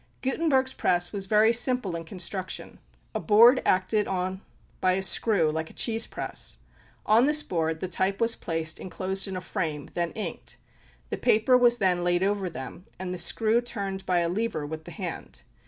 Gutenberg's press was very simple in construction, a board acted on by a screw, like a cheese press. On this board the type was placed inclosed in a frame, then inked; the paper was then laid over them, and the screw turned by a lever with the hand.